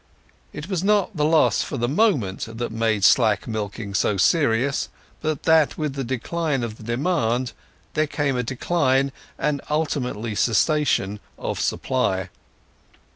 It was not the loss for the moment that made slack milking so serious, but that with the decline of demand there came decline, and ultimately cessation, of supply.